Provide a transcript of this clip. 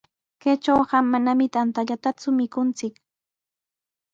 Kaytrawqa manami tantallataku mikunchik.